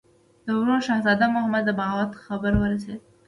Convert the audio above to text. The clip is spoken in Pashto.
د ورور شهزاده محمود د بغاوت خبر ورسېدی.